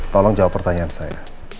tolong jawab pertanyaan saya